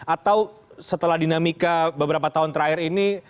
atau setelah dinamika beberapa tahun terakhir ini